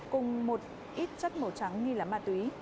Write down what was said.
cùng một ít chất màu trắng nghi là ma túy